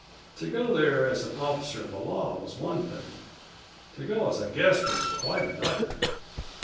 To go there as an officer of the law was one thing; to go as a guest was quite another.